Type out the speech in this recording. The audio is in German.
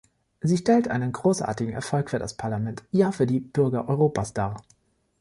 Sie stellt einen großartigen Erfolg für das Parlament, ja für die Bürger Europas dar.